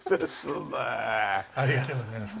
ありがとうございます。